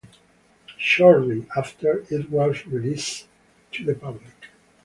Shortly after, it was released to the public.